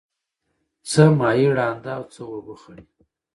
څه ماهی ړانده او څه اوبه خړی.